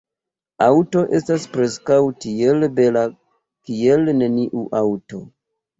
Aŭto estas preskaŭ tiel bela kiel neniu aŭto.